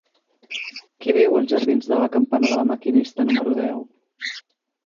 Qui viu als jardins de la Campana de La Maquinista número deu?